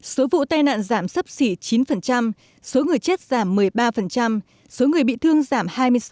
số vụ tai nạn giảm sắp xỉ chín số người chết giảm một mươi ba số người bị thương giảm hai mươi sáu